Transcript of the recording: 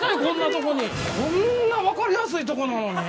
こんなわかりやすいとこなのに？